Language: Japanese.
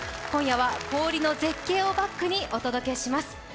今夜は氷の絶景をバックにお届けします。